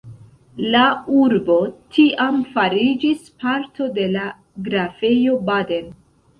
La urbo tiam fariĝis parto de la Grafejo Baden.